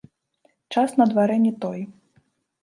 Час на дварэ не той.